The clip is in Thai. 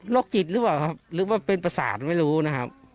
จิตหรือเปล่าครับหรือว่าเป็นประสาทไม่รู้นะครับ